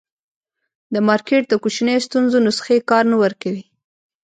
د مارکېټ د کوچنیو ستونزو نسخې کار نه ورکوي.